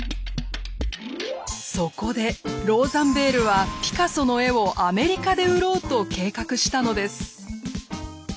そこでローザンベールはピカソの絵をアメリカで売ろうと計画したのです。